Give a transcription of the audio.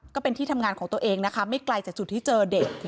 ก็เป็นที่ทำงานของตัวเองนะคะไม่ไกลจากจุดที่เจอเด็ก